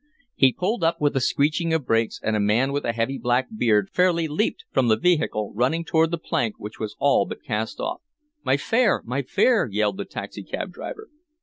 He pulled up with a screeching of brakes, and a man with a heavy black beard fairly leaped from the vehicle, running toward the plank which was all but cast off. "My fare! My fare!" yelled the taxicab driver.